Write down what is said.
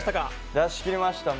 出し切りました。